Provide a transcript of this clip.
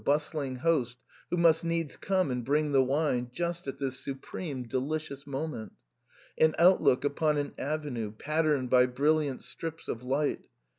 33 host who must needs come and bring the wine just at this supreme, delicious moment. An outlook upon an avenue, patterned by brilliant strips of light